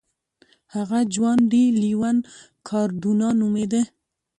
هغه جوان ډي لیون کاردونا نومېده.